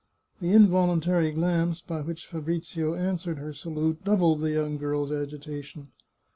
The involuntary glance by which Fabrizio answered her salute doubled the young girl's agita tion.